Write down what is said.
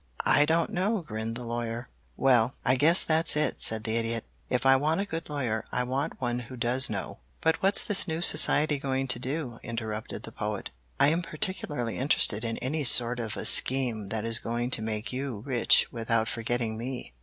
"I don't know," grinned the Lawyer. "Well, I guess that's it," said the Idiot. "If I want a good lawyer I want one who does know." "But what's this new society going to do?" interrupted the Poet. "I am particularly interested in any sort of a scheme that is going to make you rich without forgetting me.